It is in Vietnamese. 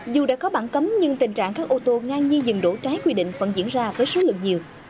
dù đã có bản cấm nhưng tình trạng các ô tô ngang nhiên dừng đổ trái quy định vẫn diễn ra với số lượng nhiều